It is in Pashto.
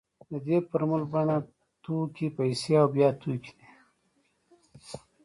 د دې فورمول بڼه توکي پیسې او بیا توکي ده